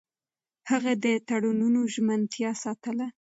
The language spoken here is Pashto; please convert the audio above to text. هغه د تړونونو ژمنتيا ساتله.